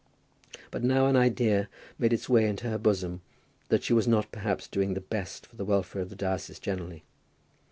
But now an idea made its way into her bosom that she was not perhaps doing the best for the welfare of the diocese generally.